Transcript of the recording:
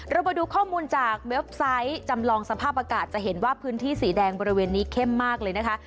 เรามาดูข้อมูลจากเว็บไซต์จำลองสภาพอากาศจะเห็นว่าพื้นที่สีแดงบริเวณนี้เข้มมากเลยนะคะ